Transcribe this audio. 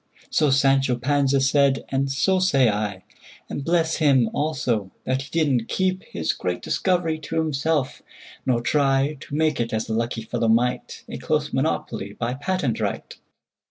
So Sancho Panza said, and so say I:And bless him, also, that he did n't keepHis great discovery to himself; nor tryTo make it—as the lucky fellow might—A close monopoly by patent right!